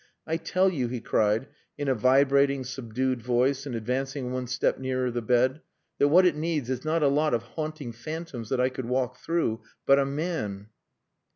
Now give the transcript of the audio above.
I tell you," he cried, in a vibrating, subdued voice, and advancing one step nearer the bed, "that what it needs is not a lot of haunting phantoms that I could walk through but a man!"